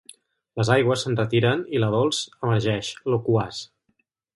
Les aigües s'enretiren i la Dols emergeix, loquaç.